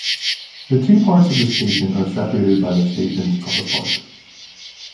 The two parts of the station are separated by the station's car park.